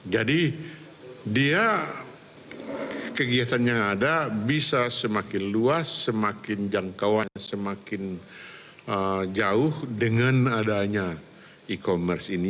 jadi dia kegiatan yang ada bisa semakin luas semakin jangkauan semakin jauh dengan adanya e commerce ini